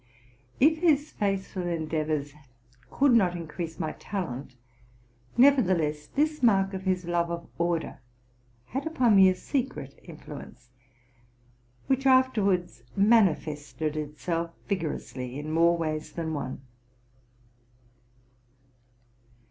If his faithful endeavors could not increase my talent, nevertheless this mark of his love of order had upon me a secret influence, which afterwards manifested itself vigor ously in more ways than one.